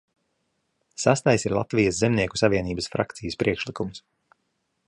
Sestais ir Latvijas Zemnieku savienības frakcijas priekšlikums.